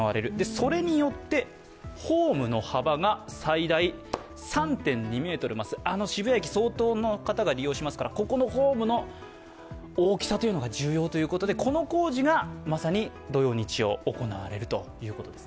それによってホームの幅が最大３．２ｍ、渋谷駅は相当の方が利用しますからホームの大きさが重要ということでこの工事がまさに土曜、日曜行われるということです。